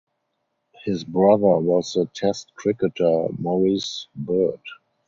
His brother was the Test cricketer Morice Bird.